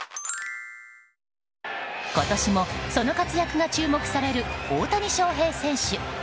今年も、その活躍が注目される大谷翔平選手。